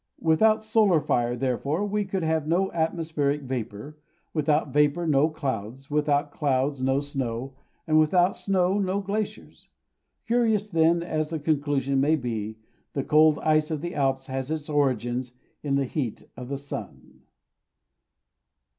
Without solar fire, therefore, we could have no atmospheric vapour, without vapour no clouds, without clouds no snow, and without snow no glaciers. Curious then as the conclusion may be, the cold ice of the Alps has its origin in this heat of the sun.